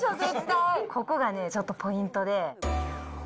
ここがちょっとポイントで。